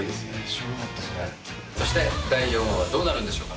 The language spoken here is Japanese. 知らなかったそれそして第４話はどうなるんでしょうか